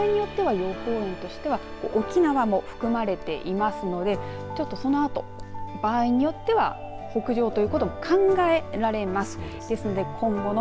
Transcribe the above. ただ今後の進路次第なところはありますが場合によっては予報円としては沖縄も含まれていますのでそのあと場合によっては北上ということも考えられます。